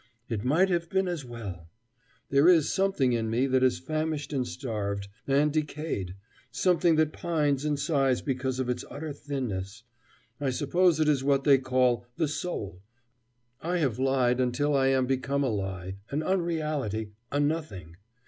It might have been as well! There is something in me that is famished and starved, and decayed, something that pines and sighs because of its utter thinness I suppose it is what they call "the soul." I have lied until I am become a lie, an unreality, a Nothing.